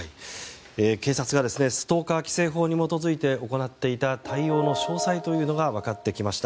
警察がストーカー規制法に基づいて行っていた対応の詳細が分かってきました。